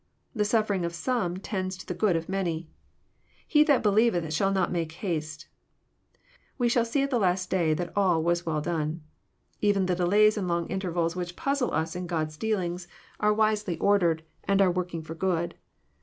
The suffering of some tends to the good of many. *<He that believeeh shall not make haste." We shall see at the last day that all was well done. EYfiiL.the delays and long intervals which puzzle us in God*s dealings, are XI t y 242 EXPOSITORY THOUGHTS. wisely ordered, and are wor king for good.